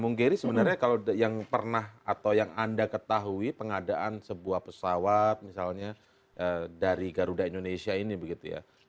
bung geri sebenarnya kalau yang pernah atau yang anda ketahui pengadaan sebuah pesawat misalnya dari garuda indonesia ini begitu ya